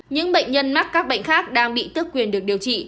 những bệnh nhân mắc các bệnh khác đang bị tước quyền được điều trị